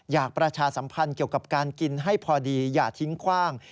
ประชาสัมพันธ์เกี่ยวกับการกินให้พอดีอย่าทิ้งคว่าง